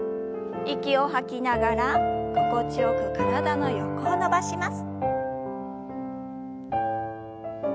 息を吐きながら心地よく体の横を伸ばします。